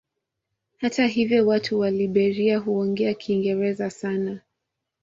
Hata hivyo watu wa Liberia huongea Kiingereza sana.